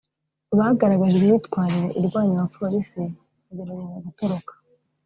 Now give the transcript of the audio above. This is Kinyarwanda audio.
bagaragaje imyitwarire irwanya abapolisi bagerageza gutoroka